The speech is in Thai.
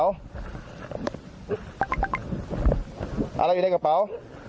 อะไรอยู่ในกระเป๋า